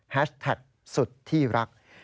แท็กสุดที่รัก